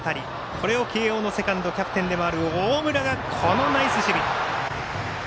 これを慶応のセカンドキャプテンでもある大村がナイス守備。